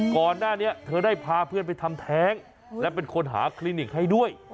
ก่อนหน้านี้เธอได้พาเพื่อนไปทำแท้งและเป็นคนหาคลินิกให้ด้วย